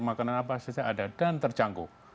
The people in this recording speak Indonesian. makanan apa saja ada dan terjangkau